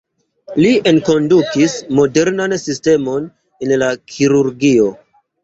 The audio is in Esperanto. Li enkondukis modernan sistemon en la kirurgio.